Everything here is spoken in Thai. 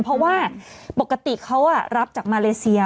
เพราะว่าปกติเขารับจากมาเลเซีย